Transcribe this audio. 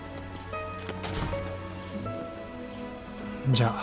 じゃあ。